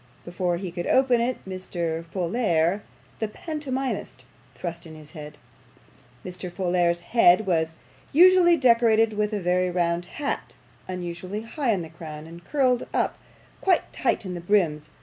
Before he could open it, Mr. Folair, the pantomimist, thrust in his head. Mr. Folair's head was usually decorated with a very round hat, unusually high in the crown, and curled up quite tight in the brims.